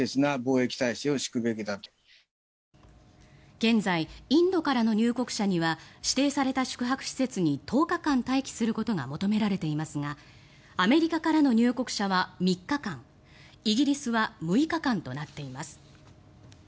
現在、インドからの入国者には指定された宿泊施設に１０日間待機することが求められていますがアメリカからの入国者は３日間イギリスは６日間となっています。